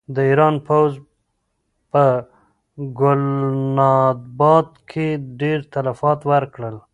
د ایران پوځ په ګلناباد کې ډېر تلفات ورکړل.